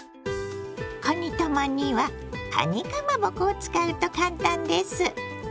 かにたまにはかにかまぼこを使うと簡単です。